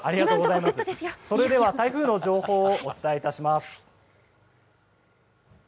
それでは台風の情報をお伝えします。